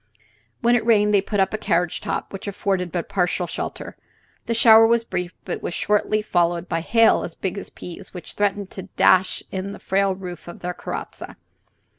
When it rained they put up the carriage top, which afforded but partial shelter. The shower was brief, but was shortly followed by hail as big as peas, which threatened to dash in the frail roof of their carrozza.